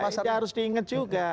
tetapi harus diingat juga